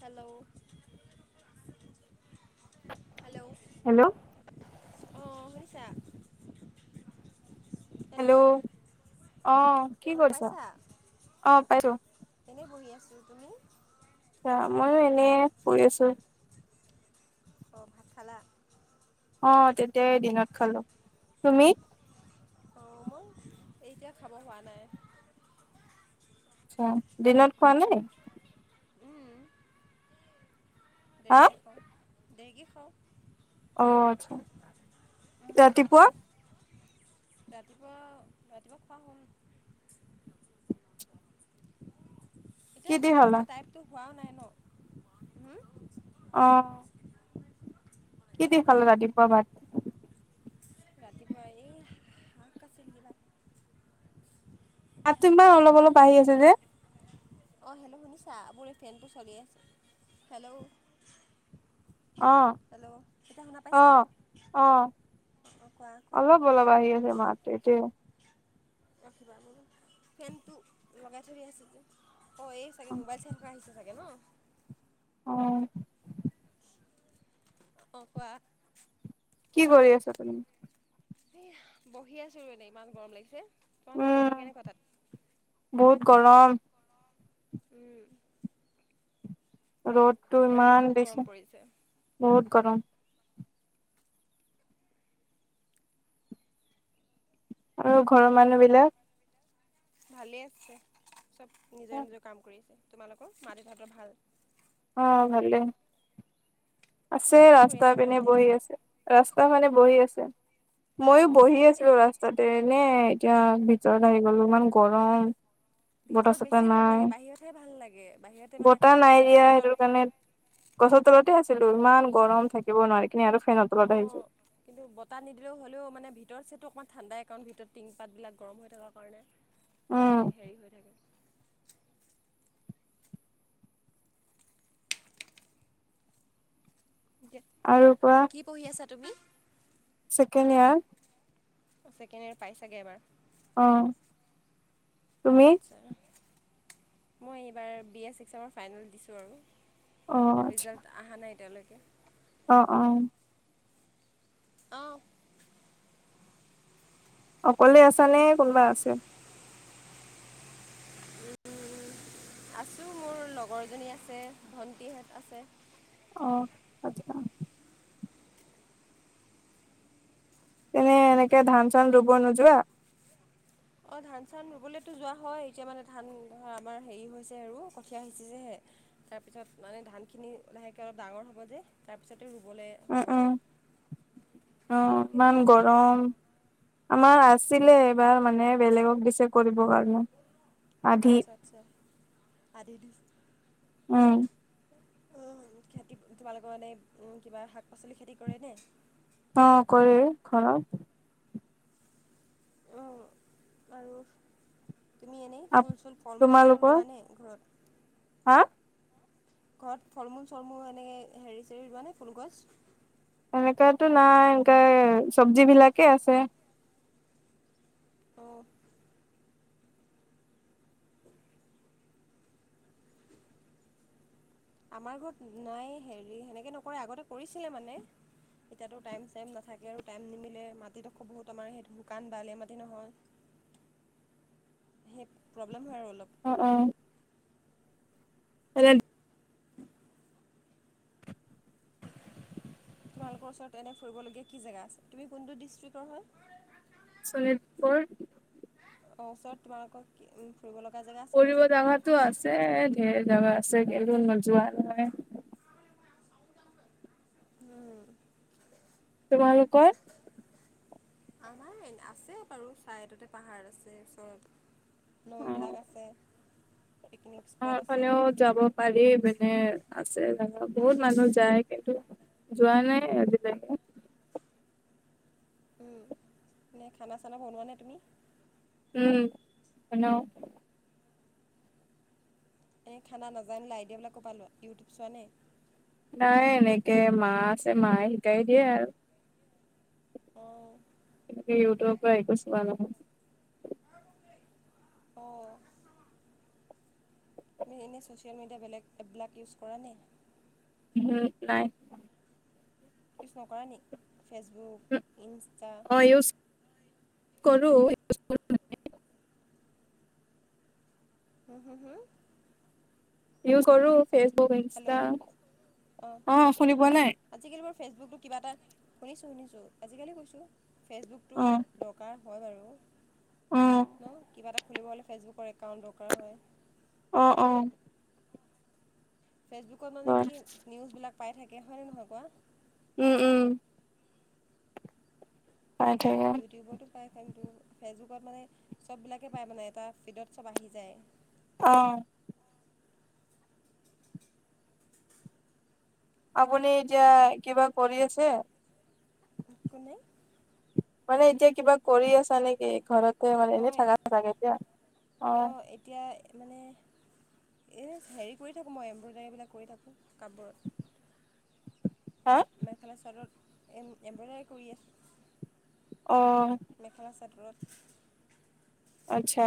Hello hello hello অঁ শুনিছা hello অ কি শুনা কৰিছ পাইছা অ পাইছো এনেই বহি আছোঁ তুমি মই এনে কৰি আছো অ ভাত খালা অ তেতিয়াই দিনত খালো তুমি অঁ মই এতিয়া খাব হোৱা নাই আচ্ছা দিনত খোৱা নাই হা দেকে খা দেকে খাও অ আচ্ছা ৰাতিপুৱা ৰাতিপুৱা ৰাতিপুৱা খোৱা হম কিদি খোৱা খালা? টাইমটো হোৱাও নাই ন? হুম? অহ। [inaudible] কি দি খালে ৰাতিপুৱা ভাত? ৰাতি পুৱাই এই [unintelligible] মাতটো কিবা অলপ অলপ আহি আছে যে। অ, হেল্ল' শুনিছা? মোৰ এই ফেনটো চলি আছে। হেল্লউ শুনা পাইছা অঁ-অঁ-অ অঁ অঁ কোৱা কোৱা অলপ অলপ আহি আছে মাতটো এতিয়া। ৰাখিবা, ফেনটো লগাই থৈ দিয়া আছিল যে। অ, এই চাগে মোবাইল চাই থকা আহিছে চাগে ন? অ। অ কোৱা। কি কৰি আছা তুমি? এ বহি আছো এনেই ইমান গৰম লাগিছে। তোমালোক উম বতৰ কেনেকুৱা তাত? বহুত গৰম। উম। ৰ'দটো ইমান গৰম দিছে, পৰিছে বহুত গৰম। আৰু ঘৰৰ মানুহ বিলাক ভালেই আছে। চব নিজৰ-নিজৰ কাম কৰিছে। তোমালোকৰ মা-দেউতাহঁতৰ ভাল? অ, ভালেই। আছে কি কৰি ৰাস্তা আছে পিনে মাহঁতে বহি এতিয়া আছে। ৰাছ ৰাস্তা মানে বহি আছে। ময়ো অঁ বহি এই আছিলো ৰাস্তাতে এনেই। এতিয়া ভিতৰত আহি গ'লো ইমান গৰম। বতাহ ভিতৰত চতাহ বেছি গৰম নাই লাগে। বাহিৰতহে ভাল লাগে। বাহিৰতে মানে বতাহ নাই গছৰ দিয়া তলত কাৰণে গছৰ তলতে আছিলো। ইমান গৰম থাকিব নোৱাৰি [unintelligible] অ আহিছো কিন্তু বতাহ নিদিলেও হ'লেও মানে ভিতৰ চাইডটো অকমান ঠাণ্ডাই কাৰণ ভিতৰত টিং পাতবিলাক গৰম হৈ থকাৰ কাৰণে উম গোটেই হেৰি হৈ থাকে কি আৰু পৰা কি পঢ়ি আছা তুমি ছেকেণ্ড ইয়াৰ ছেকেণ্ড ইয়াৰ পাইছাগে এবাৰ অ। তুমি চা মই এইবাৰ বি এ চিক্সচমৰ ফাইনেল দিছো আৰু। ৰিজাল্ট আহা নাই এতিয়ালৈ। অ-অ। অ। অকলে আছানে কোনোবা আছে? আছোঁ। মোৰ লগৰজনী আছে, ভণ্টিহঁত আছে। অ, আচ্ছা। তেনে এনেকে ধান-চান ৰুব নোযোৱা? অ ধান-চান ৰুবলেতো যোৱা হয়। এতিয়া মানে ধান ধৰা আমাৰ হেৰি হৈছে আৰু কঠীয়া সিঁচিছে হে। তাৰ পিছত মানে ধান খিনি লাহেকে অলপ ডাঙৰ হ'ব যে। তাৰপিছত উম, উম অ তোমালোকৰ খেতি ইমান আছেনে? গৰম। আমাৰ আ ছিলে এইবাৰ মানে বেলেগক দি চে কৰিব কাৰণে আধিত। আচ্ছা আচ্ছা আধি উম। উ খেতি তোমালোকৰ মানে উ কিবা শাক-পাচলি খেতি কৰে নে? অ, কৰে ঘৰত। অ, আৰু তুমি এনেই আপ ফুল-চুল, ফল-মূল, চল-মূল তোমালোকৰ ৰুৱা নে ঘৰত? হা ঘৰত ফল মূল চল মূল এনেকে হেৰি চেৰি ৰুৱানে ফুলগছ এনেকাতো নাই এনকাই চব্জি বিলাকে আছে অঁ, আমাৰ ঘৰত নাই হেৰি সেনেকে নকৰে আগতে কৰিছিলে মানে এতিয়াতো টাইম চাইম নাথাকে আৰু টাইম নিমিলে মাটিডোখৰ বহুত আমাৰ সেই শুকান বলিয়া মাটি নহয় সেই প্ৰব্লেম হয় আৰু অলপ। অ অ এৰেলদ তোমালোকৰ ওচৰত এনে ফুৰিবলগীয়া কি জেগা আছে তুমি কোনটো ডিষ্ট্ৰিক্টৰ হ'য় শোণিতপুৰ ওচৰত তোমালোকৰ কি উম ফঙৰিব জাগাতো আছে ঢেৰ জাগা আছে কিন্তু নোযোৱা মানে তোমালোকৰ আমাৰ আছে বাৰু চাইডতে পাহাৰ আছে চব নৈবিলাক আছে পিকনিক স্পট আছে। পহাৰফালেও যাব পাৰি মানে আছে বহুত মানুহ যায় কিন্তু যোৱা নাই আজিলৈকে উ নে খানা চানা বনোৱা নে তুমি উম বনাও এনে খানা নাজানিলে আইডিয়াবিলাক কৰ পৰা লোৱা ইউটিউব চোৱা নে নাই এনেকে মা আছে মায়ে শিকাই দিয়ে আৰু অ তেনেকে ইউটিউবৰ পৰা একো ছোৱা নহয় অ তুমি এনেই ছ'চিয়েল মিডিয়া বেলেগ এপবিলাক ইউজ কৰা নে উম নাই ইউজ নকৰা নি ফেচবুক ইনষ্টা। অ ইউজ কৰো ',। উম', - হুম', - হুম',। ইউজ কৰো,। ফেচবুক ইনষ্টা, হেল্ল' অঁ অ', শুনি পোৱা নাই? আজিকালি বাৰু ফেচবুকটো কিবা এটা শুনিছোঁ, শুনিছোঁ, আজিকালি কৈছোঁ ফেচবুকটো অ দৰকাৰ,। হয় বাৰু অ ন, কিবা এটা খুলিব হ'লে ফেচবুকৰ একাউণ্ট দৰকাৰ হয় অহ অ ফেচবুকত মানে হয় কি নিউজ বিলাক পাই থাকে হয় নে নহয় কোৱা, উম উম পাই থাকে ইউটিউবতো পাই, কিন্তু ফেচবুক মানে চব বিলাকে পায় মানে এটা ফিডত চব আহি যায় অহ আপুনি এতিয়া কিবা কৰি আছে? মানে? মানে এতিয়া কিবা কৰি আছা নেকি ঘৰত? ঘৰত এনেই মই থাকা চাগে এতিয়া অ' অঁ এতিয়া মানে এই হেৰি কৰি থাকো মই এমব্ৰইডাৰীবিলাক কৰি থাকো কাপোৰত হা মেখেলা চাদৰত এম এমব্ৰইডাৰী কৰি আছো অ কাপোৰত? আচ্ছা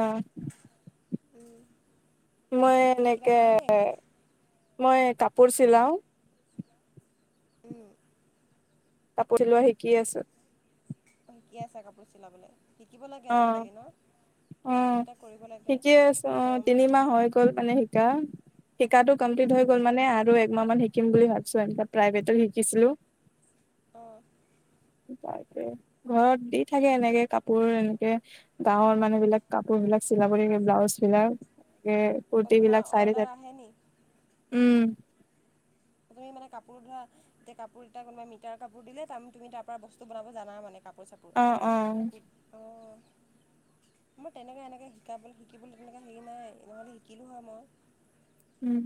উম' মই এনেকে অ মই কাপোৰ চিলাও উম কাপোৰ চিলোৱা শিকি আছো শিকি আছা কাপোৰ চিলাবলৈ? শিকিব লাগে অ আজিকালি ন,। কিবা কিবি অ', এটা কৰিব লাগে শিকি আছোঁ, অ', গৰম তিনিমাহ হৈ গ'ল মানে শিকা,। শিকাটো কমপ্লিট উম, হৈ গ'ল মানে আৰু একমাহ মান শিকিম বুলি ভাবিছোঁ, এনেকুৱা প্ৰাইভেটত শিকিছিলোঁ,। অ', হম', ঘৰত দি থাকে এনেকে কাপোৰ এনে',। তাকে গাঁৱৰ মানে বিলাক কাপোৰ বিলাক চিলাব লাগিব ব্লাউজ বিলাক,। এই কুুৰ্ত তোমাৰ বিলাক চাই অৰ্ডাৰ আহে নি উম',। তুমি মানে কাপোৰ ধৰা গোটে কাপোৰ এটা কোনবা মিটাৰ কাপোৰ দিলে ত তুমি তাৰ পৰা বস্ত বনাব জানা মানে কাপো',। পইচাটো অ অ কু', অ',। মই তেনেকৈ এনেকৈ শিকাবলৈ শিকিবলৈ তেনেকৈ হেৰি নাই নহ'লে শিকিলোঁ হয় মই',। উম',।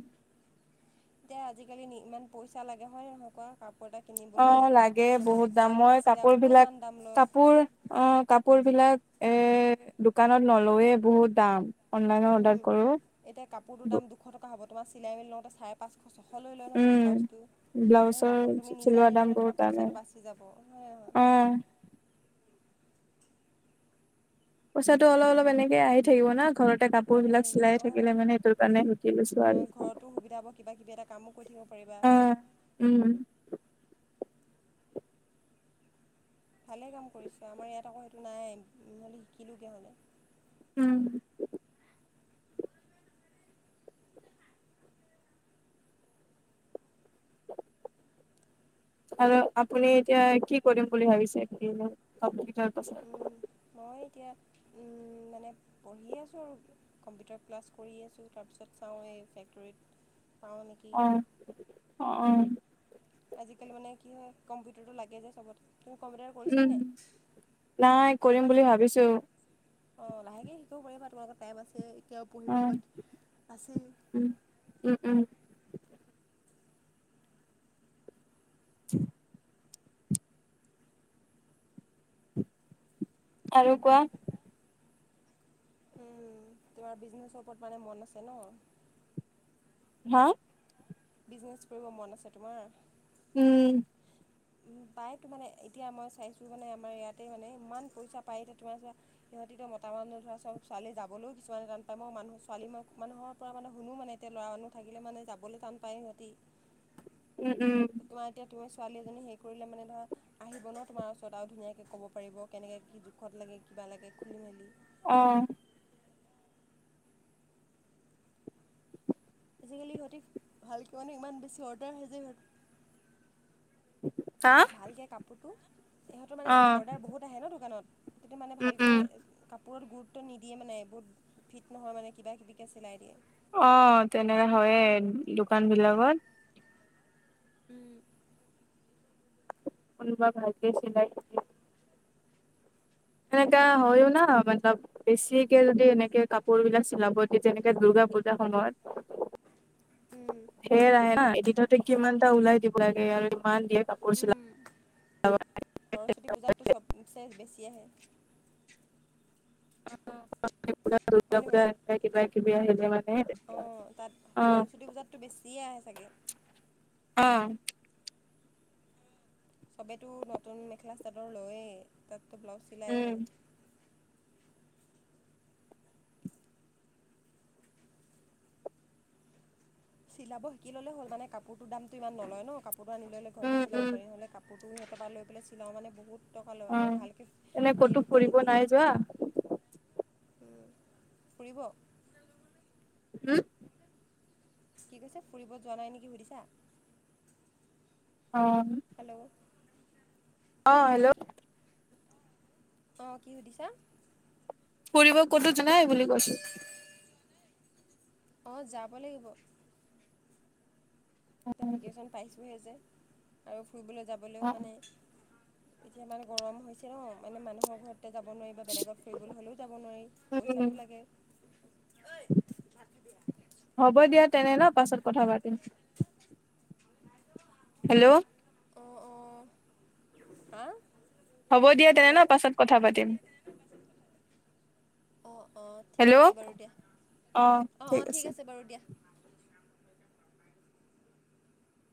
এতিয়া আজিকালি ইমান পইচা লাগে হয় নহয় কও কাপোৰ',। এটা কিনিবলৈ অ', লাগে মানে বহুত দাম, ব্লাউজ এটা মই কাপোৰ চিলাবলৈও বিলাক ইমান দাম লয় কাপোৰ অ কাপোৰ বিলাক',। এ', দোকানত নলয়ে বহুত দাম',। অনলাইনৰ উম, অৰ্ডাৰ কৰোঁ',। এতিয়া কাপোৰটোৰ দাম দুশ টকা হ'ব তোমাৰ চিলাই মেলিই ত চাৰে পাঁচশ ছশ লৈ লয় নহয় সিহঁতে উম, ব্লাউজটো,। ব্লাউজৰ কাপোৰ তুমি নিজে চিলোৱা দাম আনিললে বহুত তোমাৰ দামে পইচাটো বাছি যাব, অ', হয়',। পইচাটো অলপ অলপ এনেকে আহি থাকিব না ঘৰত',। এটা কাপোৰ অঁ বিলাক সেইটোৱে চিলাই থাকিলে মানে অঁ সেইটোৰ কাৰণে শিকি লৈছোঁ আৰু', ্ ঘৰতো সুবিধা হ'ব কিবা', ্ উম', ভালে কাম কৰিছে আমাৰ ইয়াত আকৌ সেইটো নাই, নহ'লে শিকিলোঁগে হ'লে ', ্ উম', আৰু আপুনি এতিয়া, কি কৰিম বুলি ভাবিছে একেই দিন? মই এতিয়া [unintelligible] উম মানে পঢ়িয়ে আছোঁ আৰু কম্পিউটাৰ ক্লাছ কৰি আছোঁ তাৰপিছত চাওঁ এই ফেক্টৰীত পাওঁ নেকি। আহ অ অ আজিকালি মানে কি হয় কম্পিউটাৰটো লাগে যে চবত উম নাই শিকি কৰিম বুলি ভাবিছো অ লাহেকে শিকিব পাৰা তোমালোকৰ টাইম আছে। এতিয়াও উ পঢ়িবলৈ বাকী আছেই। উম উম উম। [unintelligible] আৰু কোৱা। তোমাৰ বিজনেছৰ ওপৰত মানে মন আছে ন। হা। বিজনেচ কৰিব মন আছে তোমাৰ। উম। বায়ক মানে এতিয়া মই চাইছোঁ মানে আমাৰ ইয়াতে মানে ইমান পইচা পায় এতিয়া তোমাৰ। মতামান ধৰা চব ছালী যাবলৈও কিছুমান পাই মানুহ ছোৱালী মানুহৰ পৰা মানে শুনো মানে এতিয়া। মানুহ থাকিলে মানে যাবলৈ টান পায় সিহঁতি। উম, উম, তোমাৰ এতিয়া টো আছ। ছোৱালী এজনী হেৰি কৰিলে মানে ধৰা আহিব ন তোমাৰ ওচৰত আৰু ধুনীয়াকৈ ক'ব পাৰিব কেনেকৈ কি দুখত লাগে কি। লকে খুলি মেলি। আহ আজিকালি সিহঁতি ভালকে মানে ইমান বেছি অৰ্দাৰ আহি যে সিহঁতক হা ভালকে কাপোৰ ইহঁতৰ মানে অ', অৰ্ডাৰ বহুত আহে ন দোকানত মানে উম, ভালকে। উম, বহুত গুৰুত্ব নিদিয়ে মানে বহুত ফিট নহয় মানে কিব কিবিকে চিলাই দিয়ে্ অ তেনেকে হয়ে দোকান বিলাকত। উম উলব ভাগ্য চিলাই এনেকা হয়ও না মাতলব বেছিকে যদি এনেকে কাপোৰ বিলাক চিলাব দি তেনেকে দূৰ্গা পূজা সময়ত [inaudible] সেৰাে ন এদিনতে কিমানটা উওলাই দিব লাগে আৰু ইমান দিয়ে কাপোৰ চিলা অব সৰস্বতী পূজাতটো চবচে বেছি আহে দুৰ্গা হয়নে পূজা বাৰু এনে কিবা কিবি আহিলে মানে অঁ তাত অ সৰস্বতী পূজাততো বেছিয়ে আহে চাগে অ চবেতো নতুন মেখেলা চাদৰ লয়ে তাততো ব্লাউজ চিলায়েই উম চিলাব শিকি ললে হ'ল মানে কাপোৰ তৰ দামটো ইমান নলয় ন কাপোৰটো আনি ললে উম ঘৰতে চিলাব উম পাৰি হলে কাপোৰ লোকৰ পৰা লৈকিনে চিলাও মানে বহুত টকা লয় আৰু উম ভালকৈ এনে ক'তো হেৰিও কৰি ফুৰিব নিদিয়ে নাই যোৱা। ফুৰিব উম কি কৈছে ফুৰিব যোৱা নাই নেকি সুধিছা অ হেল্ল' অ হেল্ল' আহ কি সুধিছা ফুৰিব ক'তো যোৱা নাই বুলি কৈছো। অ যাব লাগিব। এতিয়া ভেকেশ্যন পাইছোঁহে যে আৰু ফুৰিবলৈ অ যাবলৈও মানে এতিয়া মানে গৰম হৈছে ন মানে মানুহৰ ঘৰত তে যাব নোৱাৰি বা বেলেগত ফৰিবলে হ'লেও যাব নোৱাৰি উম পইচাটো লাগে হ'ব দিয়া তেনে ন পাছত কথা পাতিম হেল্ল' অ অ হা হ'ব দিয়া তেনে ন হেল্ল' পাছত কথা পাতিম অ অ ঠিক হেল্ল' আছে বাৰু দিয়া অ অ ঠিক আছে বাৰু দিয়া